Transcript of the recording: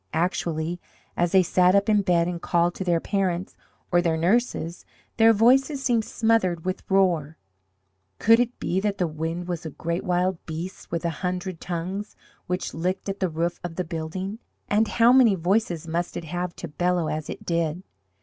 Actually, as they sat up in bed and called to their parents or their nurses, their voices seemed smothered with roar. Could it be that the wind was a great wild beast with a hundred tongues which licked at the roof of the building? And how many voices must it have to bellow as it did?